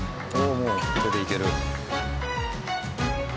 もう手でいける。